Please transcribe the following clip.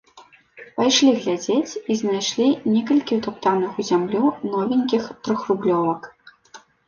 Пайшлі глядзець і знайшлі некалькі ўтаптаных у зямлю новенькіх трохрублёвак.